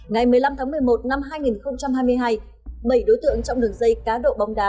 ngày một mươi năm tháng một mươi một năm hai nghìn hai mươi hai bảy đối tượng trong đường dây cá độ bóng đá